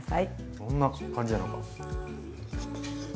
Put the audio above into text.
どんな感じなのか。